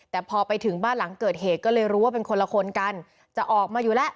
แต่พอไปถึงบ้านหลังเกิดเหตุก็เลยรู้ว่าเป็นคนละคนกันจะออกมาอยู่แล้ว